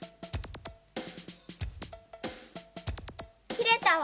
きれたわ。